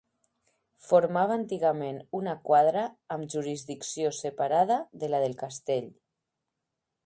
Formava antigament una quadra amb jurisdicció separada de la del castell.